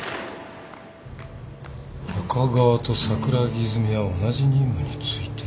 赤川と桜木泉は同じ任務に就いていた。